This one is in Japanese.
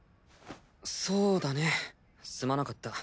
そうだねすまなかった。